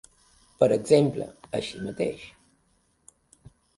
Per exemple: així mateix.